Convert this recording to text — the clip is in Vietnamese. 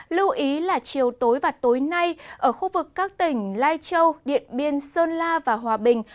lưu ý là chiều tối và tối nay ở khu vực các tỉnh lai châu điện biên sơn la và hòa bình